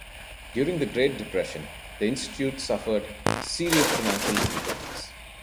During the Great Depression, the Institute suffered serious financial difficulties.